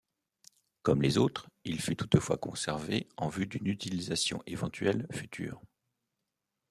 Comme les autres, il fut toutefois conservé en vue d’une utilisation éventuelle future.